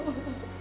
jangan lupa ya